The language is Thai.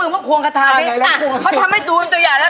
เขาทำให้ดูตัวใหญ่แล้ว